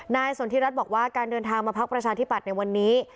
สนทิรัฐบอกว่าการเดินทางมาพักประชาธิปัตย์ในวันนี้